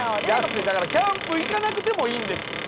だからキャンプ行かなくてもいいんですよ。